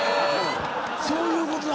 そういうことだ。